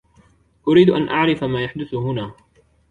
أريد أن أعرف ما يحدث هنا.